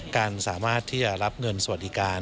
การสามารถที่จะรับเงินสวัสดิการ